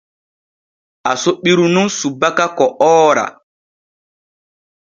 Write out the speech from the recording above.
Aso ɓiru nun subaka ko oora.